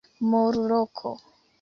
Murloko.